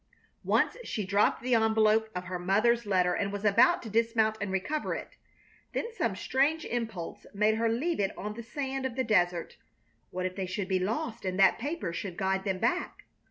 Once she dropped the envelope of her mother's letter and was about to dismount and recover it. Then some strange impulse made her leave it on the sand of the desert. What if they should be lost and that paper should guide them back?